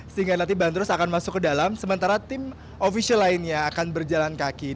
sehingga nanti bandros akan masuk ke dalam sementara tim ofisial lainnya akan berjalan kaki